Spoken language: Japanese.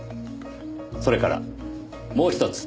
それからもうひとつ。